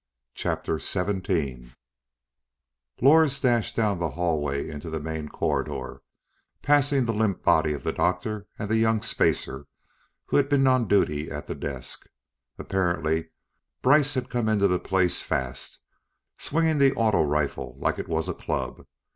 CHAPTER SEVENTEEN Lors dashed down the hallway into the main corridor, passing the limp body of the doctor and the young spacer who had been on duty at the desk. Apparently, Brice had come into the place fast, swinging the auto rifle like it was a club.